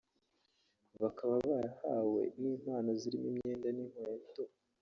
bakaba barahawe n’impano zirimo imyenda n’inkweto